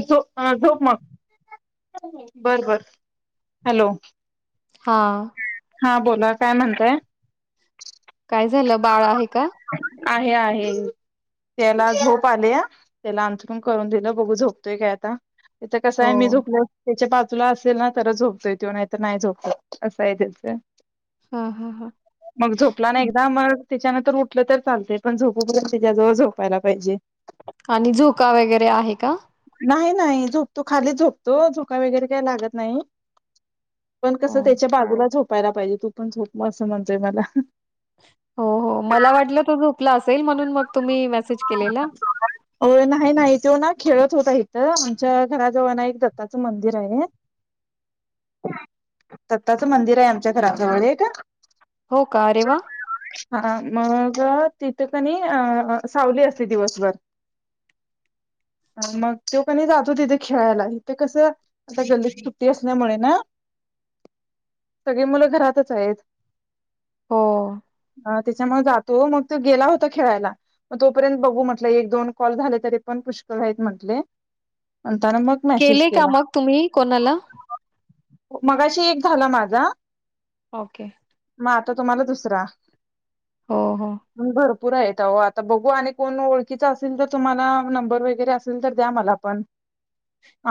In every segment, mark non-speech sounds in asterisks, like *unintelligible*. झ झोप मग बर बर हॅलो हा हा बोला काय म्हणताय काय झालं बाळ आहे का आहे आहे त्याला झोप आले या त्याला अंथरण करून दिलं बघू झोपतोय काय आता त्याच कसं हो आहे मी झोपले होते त्याच्या बाजू तुला असेल ना तरच झोपतोय तो नाहीतर नाही झोपत असं आहे त्याचं हा हा हा मग झोपला ना एकदा मग त्याच्यानंतर उठलं तर चालत पण झोप त्याच्या जवळ झोपायला पाहिजे आणि झोका वगैरे आहे का? नाही नाही झोपतो खाली झोपतो झोका वगैरे काही लागत नाही पण हो कसं त्याच्या बाजूलाच होत पाय पाहिजे तू पण झोप असं म्हणतय मला हो हो मला वाटलं त झोपला असेल म्हणून मग तुम्ही मेसेज केलेला होत इथ आमच्या घराजवळ ना एक दत्ताचं मंदिर आहे दत्ताचं मंदिर आहे आमच्या घराजवळ एक हो का अरे वा मग तिथे कणी सावली असते दिवसभर मग तो कनी जातो तिथे खेळायला गल्लीत तट्टी असल्यामुळे ना सगळे मुलं घरातच आहेत हो त्याच्यामुळे जातो मग तो गेला होता खेळायला मग तोपर्यंत बघू म्हटलं एक दोन कॉल झाले तरी पण पुष्कळहत म्हटले म्हणताना मग मेसेज केले का केला मग तुम्ही कोणाला मगाशी एक झाला माझा ओके म आता तुम्हाला दुसरा हो हो पुरा येत आता बघू आणि कोण ओळखीचा असेल तर तुम्हाला नंबर वगैरे असेल तर द्या मला पण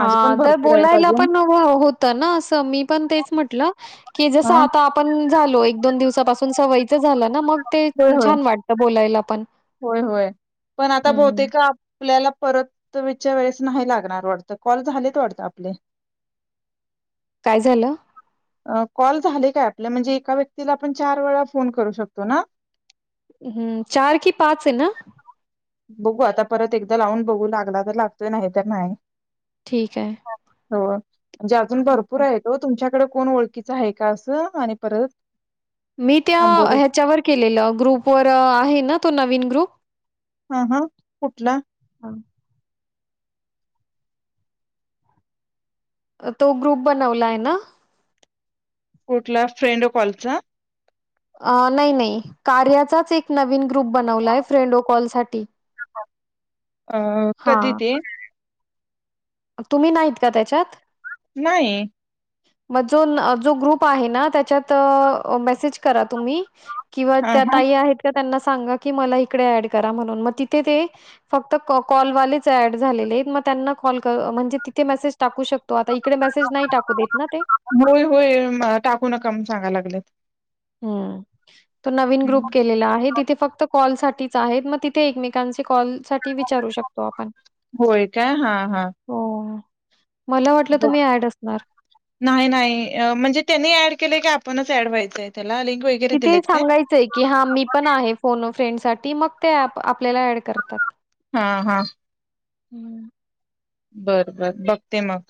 हा पण तर भरपूर आहेत बोलायला अजून पण होत *unintelligible* ना असं मी पण तेच म्हटलं की जसं हा आता आपण झालो एक दोन दिवसापासून सवयचं झालं ना मग ते होय होय छान वाटतं बोलायला पण होय होय पण आता बोते हम्म का आपल्याला परत विच्या वेळेस नाही लागणार वाटत कॉल झालेत वाटत आपले काय झालं कॉल झाले काय आपल्या म्हणजे एका व्यक्तीला आपण चार वेळा फोन करू शकतो ना हम्म चार की पाच आहे ना बघू आता परत एकदा लावून बघू लागला तर लागतोय नाही तर नाही ठीक आहे हो म्हणजेजून मग काय भरपूर आहे तुमच्या तकड कोण ओळखीच आहे का असं आणि परत मी त्या नंबर ह्याच्यावर केलेलं ग्रुपवर आहेन तो नवीन ग्रुप हा हा कुठला हां. तो ग्रुप बनवला आहे ना कुठला फ्रेंडो कॉलचा अ नाही नाही कार्याचाच एक नवीन ग्रुप बनवलाय फ्रेंड अ कॉल साठी अ कधी ते तुम्ही नाहीत का त्याच्यात नाही मग जो जो ग्रुप आहे ना त्याच्यात मेसेज करा तुम्ही किंवा हा त्या हा ताई आहेत का त्यांना सागा मला इकडे ऍड करा म्हणून मग तेथे ते फक्त कॉलवालेच ऍड झाले आहेत म्हणजे तिे *unintelligible* मेसेज टाू शकत होय होय टाकू नका सांगायला लागलेत हम्म *unintelligible* तो नवीन ग्रुप हं. केलेला आहे तिथे फक्त कॉलसाठी मग तिथे एकमेकांचे कॉल साठी विचारू शकतो आपण होय काय हा हा हो मला वाटलं तुम्ही ॲड असणार. नाही नाही म्हणजे त्यांनी ऍड केले क पणच ऍड व्हायचं तिथे सांगायचंय की हा मी पण आहे फोन फ्रेंडसाठी ती मग ते आपल्याला ऍड करतात हा हा हम्म बरं बर बघते मग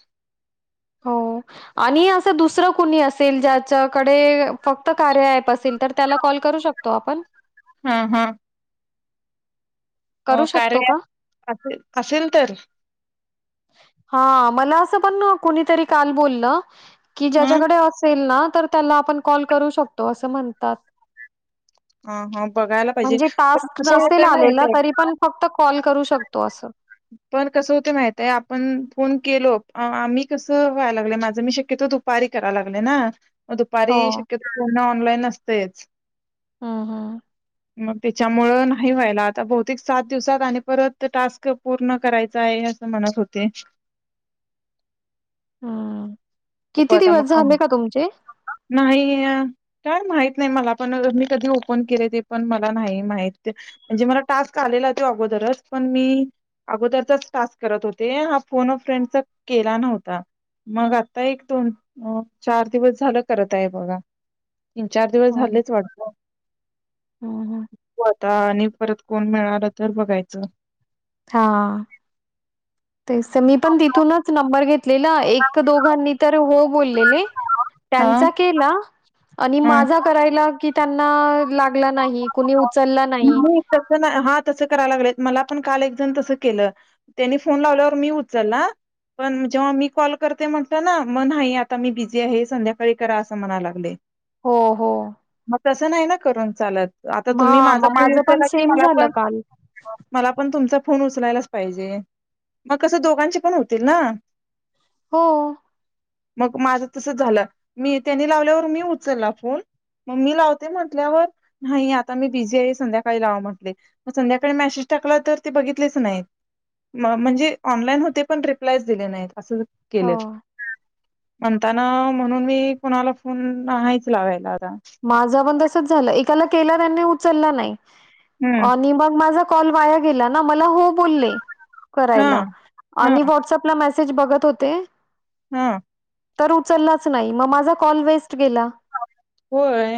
हो आणि असं दुसरं कुणी असेल ज्याच्याकडे फक्त कार्य ॲप असेल तर त्याला कॉल करू शकतो आपण हा हा करू शकतो कार्या का? ॲप असेल तर हा मला असं पण कुणीतरी काल बोलल कि हं ज्याच्याकडे असेल ना तर त्याला आपण कॉल करू शकतो अस म्हणतात ह हा बघायला पाहिजे म्हणजे टास्क कसे नसेल येत आलेला येत तरी पण फक्त कॉल करू शकतो असे पण कसं होते माहित आहे आपण फोन केलो आम्ही कसं व्हायला लागलं माझं मी शक्यतो दुपारी करायला लागल ना दुपारी हो. शक्यता को ऑनलाईन नसतेच हम् हम् मग त्याच्यामुं नाही व्हायला आता बहुतेक सात दिवसात आणि परत टास्क पूर्ण करायचं आहे असं म्हणत होते हम हो किती आता दिवस मग झाले का तुमचे नाही का माहित नाही मला पण मी कधी ओपन केले ते पण मला नाही माहित म्हणजे मला टास्क आलेला तो अगोदरच पण मी अगोदरचाच टास्क करत होते हा फोन ऑफ फ्रेंडचा केला नव्हता मग आता आता एक दोन चार दिवस झालं करत आहे बघागा तीन चार दिवस हो. झालेच वाटते बघू हं, हं. आता आणि परत कोण मिळालं तर बघायचं हा ते मी पण तिथूनच नंबर घेत एक दोघांनी तर हो बोललेले हा त्यांचा केला आणि माझा हा करायला कि त्यांना लागला नाही कुणी उच नाही तस नाही हा तस करायला लागले मला पण काल एक तस केलं त्यांनी फोन लावल्यावर मी उचलला पण जेव्हा मी कॉल करते म्हटलं ना मग नाही आता मी बिझी आहे संध्याकाळी करा असं म्हणा लागले हो हो मग तसं नाही ना करून चालत आता तुम्ही हां, माझ मग माझं पण सेम झालं काल. मण म पण त फोन उचलायलाच पाहिजे मग कसं दोघांचे पण होतील ना हो मग माझं तस झालं मी त्यानी लावल्यावर मी उचलला फोन मग मी लावते म्हटल्यावर नाही आता मी बिझी आहे संध्याकाळी लावा म्हटले संध्याकाळी मेसेज टाकला तर ते बघितलेच नाहीत म्हणजे ऑनलाईन होते पण रिप्लाय दिला नाही असं झालं हो. केलेच म्हणताना म्हणून मी कोणाला फोन नाहीयच लागयला माझा ब तसच झालं एकाला केला त्यांनी उचलला नाही हम्म आणि मग माझा कॉल वाया गेला ना मला हो बोलले हा करायला हा आणि व्हॉट्सअपला मेसेज सेज बघत होते. हम्म. तर उचललाच नाही मग माझा कॉल वेस्ट गेला. होय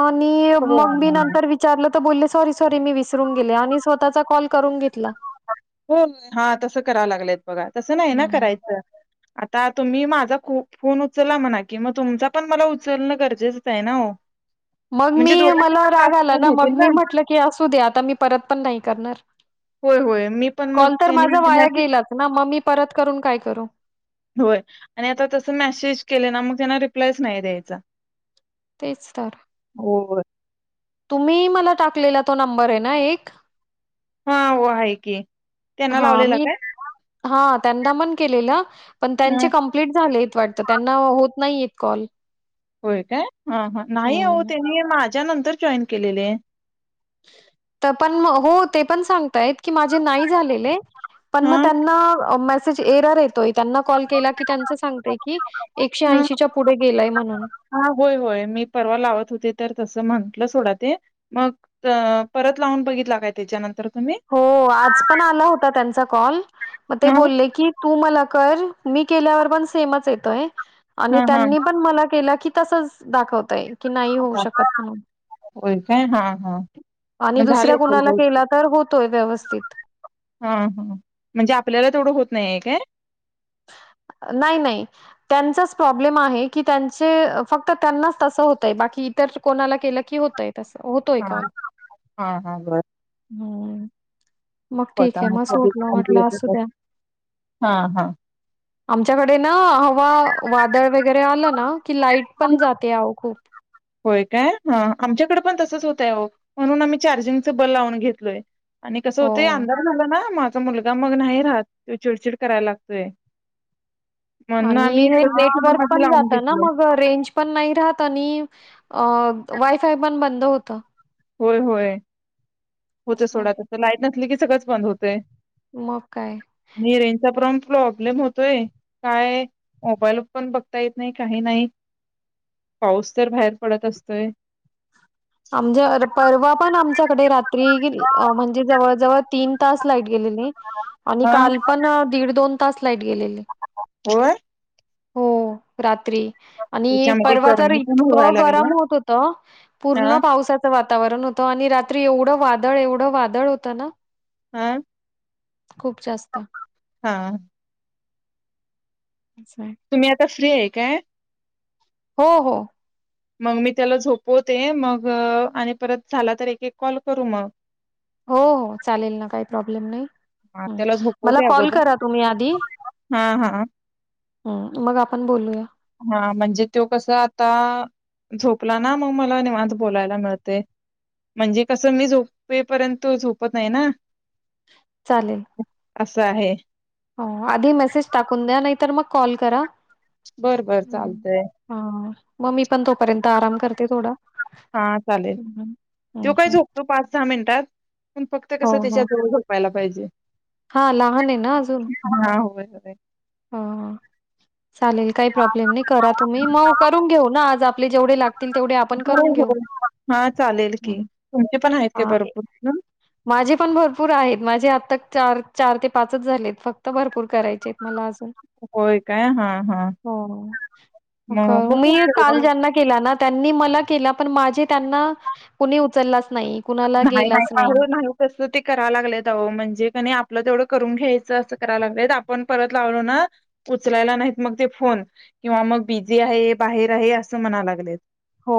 आणि मग मी हो नंतर विचारलं त बोलले सॉरी सॉरी मी विसरून गेले आणि स्वतःचा कॉल करून घेतला. हो हा तसं करावं लागलंत बघा तस नाही ना हम्म. करायचं. आता तुम्ही माझा फोन उचलला म्हणा की मग तुमचा पण मला उचलणं गरजेचंच आहे ना हो मग मी म्हणजे दोघांचे मला पण राग टास्क आला पूर्ण ना मग होतील मी म्हटलं की असू दे आता मी परत पण नाही करणार. होय होय मी पण मग कॉल तर त्यांनी माझा वाया गेलाच ना मग मी परत करून काय करू. होय आणि आता तस मेसेज केले ना मग त्यांना रिप्लायच नाही द्यायचा. तेच तर. हो तुम्ही मला टाकलेला तो नंबर आहे ना एक हा हो आहे की त्यांना ह लावलेला मी काय हा त्यांना मन केलेलं पण ह त्यांचे कंप्लिट झाले वाटतं त्यांना होत नाही येत कॉल. होय काय हा हा नाही हो हं. तेनी माझ नंतर जॉईन केलेले. तर पण हो ते पण सांगतायेत की माझे नाही झालेले पण हां. म त्यांना मल असच एरर येतोय. त्यांना कॉल केला की त्याच सांगतय की एकशे हां. ऐशीच्या पुढे गेलय म्हणून हां, होय, कुठले सोड ते मग परत लावून बघित काय त्याच्यानंतर तुम्ही? हो आज पण आला होता त्यांचा कॉल मग ते हां. बोलले की तू मला कर मी केल्यावर पण सेमच येतोय आणि हां, हां. त्यांनी पण मला केला की तसच दाखवतय. की नाही होऊ शकत म्हणून होय काय? हां, हां. आणि दुसऱ्या कुणाला केला तर हो हा हा म्हणजे आपल्याला तेवढं होत नाही काय. नाही नाही त्यांचाच प्रॉब्लेम आहे की त्यांचे फक्त त्यांनाच तसं होतय बाकी इतर कोणाला केलं की होतय. तस होतोय हां. कॉल हां, हो. *inaudible* द्या. हा हा आमच्याकडे ना हवा वादळ वगैरे आलं ना की लाईट पण जाते अहो खूप होय काय ह आमच्याकडे पण तसच होतय अहो म्हणून आम्ही चार्जिंगच बल लावून घेतलोय आणि कसं होते हो. अंधार झाला ना माग मुलगा मग नाही राहत त चिडचिड करायला लागतोय म्हणून आणि आम्ही हे नेटवर्क पण लावून जात ना घेतलोय मग रेंज पण नाही राहत आणि अ वायफाय पण बंद होतं होय होय होत असं सोडा आहे. तसं लाईट नसली की सगळंच बंद होतय मग काय पण प्रॉब्लेम होतोय काय मोबाईल पण बघता येत नाही काही नाही पाऊस तर बाहेर पडत असतोय आमच्यावर परवा पण आमच्याकडे रात्री म्हणजे जवळ जवळ तीन तास लाईट गेलेली आणि हा काल पण दीड दोन आताच लाईट गेलेली होय हो रात त्रि आणि त्याच्यामध्ये परवा तर गरमी पण इतकं व्हायला गरम लागल्या होत होत पूर्ण हा पावसाचं वातावरण होतं आणि रात्री एवढं वादळ एवढं वादळ होतं ना हं खूप जास्त असं आहे. तुम्ही आता फ्री आहे काय हो हो मग मी त्याला झोपवते मग आणि परत झाला तर एक एक कॉल करू मग हो हो चालेल ना काही प्रॉब्लेम हा, नाही त्याला मला झोपवते कॉल अगोदर करा तुम्ही आधी हा हा म आपण बोलूया हा म्हणजे तो कस आता झोपला ना मग मला निवान्त बोलायला मिळतय म्हणजे कसं मी झोपेपर्यंत झोपत नाही ना चालेल असं आहे हो आधी मेसेज टाकून द्या नाहीतर मग कॉल करा बर बर चालतंय मग्मीी पण तोपर्यंत आराम करते थोडा हा चालेल हं, हं. त हं, *unintelligible* काय हं. झोपतो पाच सहा मिनिटात पण फक्त हो कसं त्याच्या हो *unintelligible* जवळ झोपायलात पाहिजे हा लहान आहे ना अजून ह हा हा चालेल काही प्रॉब्लेम नाही करा तुम्ही मग करून घेऊ ना आज आपले जेवढे लागतील तेवढे आपण होय करून घेऊ होय हा चालेल की तुमचे पण आहेत काय भरपूर जण? माझे पण भरपूर आहेत माझे आत्ता चार चार ते पाचच झालेत फक्त भरपूर करा होय काय हा हा म मग बघू मी काल तेवढं जना के त्यांनी मला केला पण माझे त्यांना कुणी उचललाच नाही कुणाला नाही नाही गेलाच आ नाही तस ते कराव लागलेत अह म्हणजे क आपलं तेवढं करून घ्यायचं असं कराय लागलेत आपण परत लावलो ना उचलायला नाहीत मग ते फोन किंवा मग बिझी आहे बाहेर आहे असं म्हणा लागलेत हो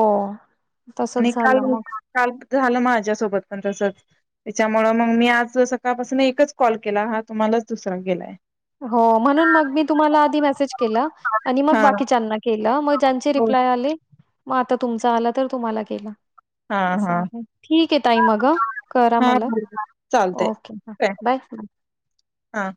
आणि तसच काल झालं मग काल झालं माझ सोबत पण तस त्याच्यामुळे मग मी आज सकाळपासून एकच कॉल केला हा तुम्हालाच दुसरा गेलाय हो म्हणून मग मी तुम्हाला आधी मेसेज केला आणि मग हा बाकीच्याना केला चांची *unintelligible* हो रिप्लाय आली मग आता तुमचा आला तर तुम्हाला ग केला हा हा आहे ठीक आहे ताई मग करा हा मला बरोबर चालतय ओके ह काय बाय हा